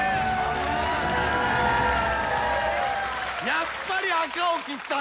やっぱり赤を切ったんですね。